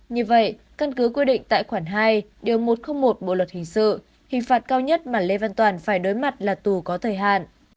như vậy căn cứ quy định tại khoản hai điều một trăm linh một bộ luật hình sự hình phạt cao nhất mà lê văn toàn phải đối mặt là tù có thời hạn